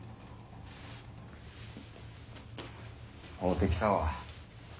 会うてきたわ。